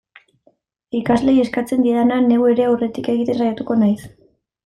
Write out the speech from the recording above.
Ikasleei eskatzen diedana, neu ere aurretik egiten saiatuko naiz.